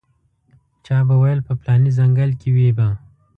چا به ویل په پلاني ځنګل کې وي به.